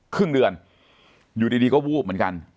ครึ่งเดือนอยู่ดีก็วูบเหมือนกัน